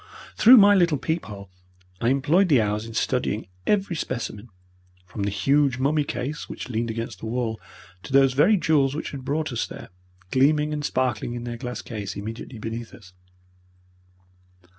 Through my little peep hole I employed the hours in studying every specimen, from the huge mummy case which leaned against the wall to those very jewels which had brought us there, gleaming and sparkling in their glass case immediately beneath us.